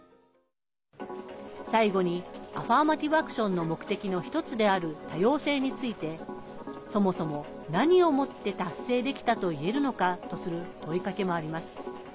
最後に、アファーマティブ・アクションの目的の一つである多様性についてそもそも何をもって達成できたといえるのかとする問いかけもあります。